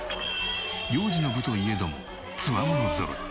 幼児の部といえどもつわものぞろい。